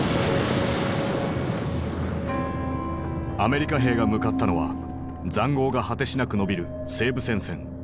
アメリカ兵が向かったのは塹壕が果てしなく延びる西部戦線。